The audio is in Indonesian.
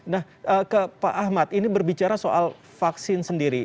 nah ke pak ahmad ini berbicara soal vaksin sendiri